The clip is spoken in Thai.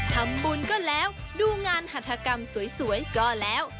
ทำบุญก็แล้วดูงานหัฐกรรมสวยก็แล้ว